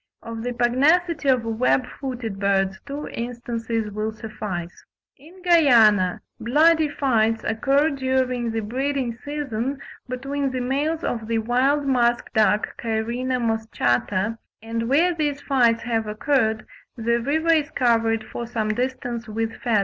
Of the pugnacity of web footed birds, two instances will suffice: in Guiana "bloody fights occur during the breeding season between the males of the wild musk duck (Cairina moschata); and where these fights have occurred the river is covered for some distance with feathers."